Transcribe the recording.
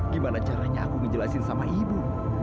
gimana caranya aku ngejelasin sama ibu